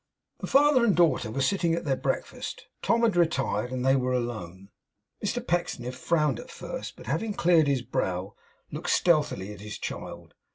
The father and daughter were sitting at their breakfast. Tom had retired, and they were alone. Mr Pecksniff frowned at first; but having cleared his brow, looked stealthily at his child.